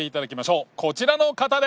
こちらの方です。